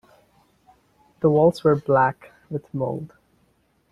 The walls were black with mould.